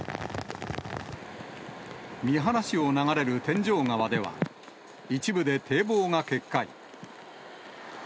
三原市を流れる天井川では、一部で堤防が決壊。